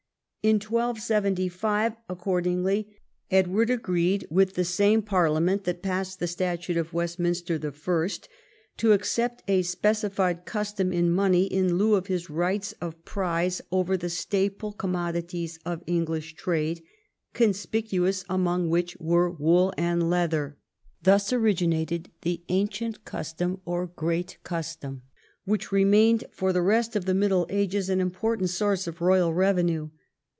In 1275 accordingly Edward agreed, with the same Parliament that passed the Statute of Westminster the First, to accept a specified custom in money in lieu of his rights of prize over the staple commodities of English trade, conspicuous among which were wool and leather. Thus originated the Ancient Custom or Great Custom, which remained for the rest of the Middle Ages an important source of royal revenue.